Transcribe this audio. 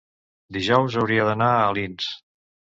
dijous hauria d'anar a Alins.